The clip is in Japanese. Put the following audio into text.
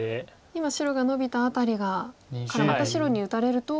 今白がノビた辺りからまた白に打たれると。